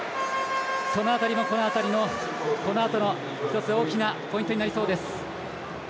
その辺りも、このあとの大きなポイントになりそうです。